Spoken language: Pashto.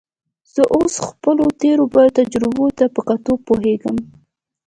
زه اوس خپلو تېرو تجربو ته په کتو پوهېږم.